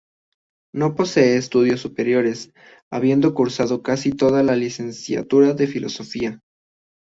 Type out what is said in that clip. No posee estudios superiores, habiendo cursado casi toda la licenciatura de Filosofía.